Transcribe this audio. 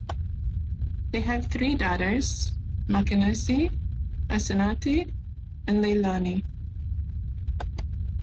They have three daughters - Makenesi, Asinate and Leilani.